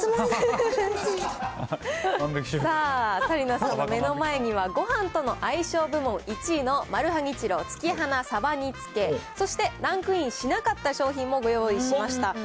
紗理奈さんの前にはごはんとの相性部門１位のマルハニチロ、月花さば煮付、そしてランクインしなかった商品もご用意しました。